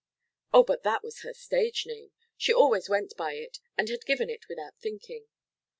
Oh, but that was her stage name she always went by it and had given it without thinking.